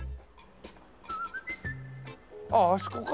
あっあそこか。